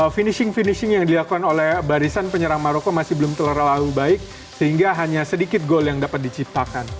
finishing finishing yang dilakukan oleh barisan penyerang maroko masih belum terlalu baik sehingga hanya sedikit gol yang dapat diciptakan